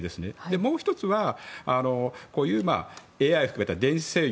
もう１つはＡＩを含めた電子制御。